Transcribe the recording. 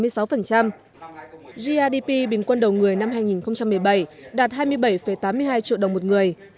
grdp bình quân đầu người năm hai nghìn một mươi bảy đạt hai mươi bảy tám mươi hai triệu đồng một người